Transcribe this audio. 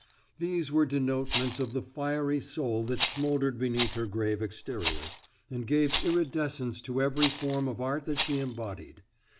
These were denotements of the fiery soul that smouldered beneath her grave exterior, and gave iridescence to every form of art that she embodied.